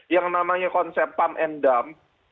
yang namanya konsep pump and dump